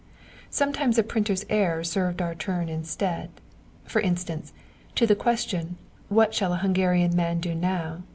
Sometimes a printer's error served our turn instead. For instance, to the question, "What shall a Hungarian man do now?"